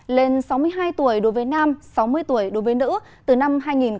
lên sáu mươi hai tuổi đối với nam sáu mươi tuổi đối với nữ từ năm hai nghìn một mươi